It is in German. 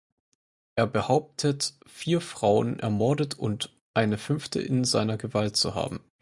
Er behauptet vier Frauen ermordet und eine fünfte in seiner Gewalt zu haben.